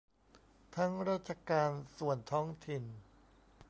ทั้งราชการส่วนท้องถิ่น